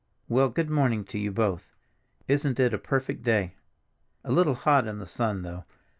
Well, good morning to you both. Isn't it a perfect day! A little hot in the sun though.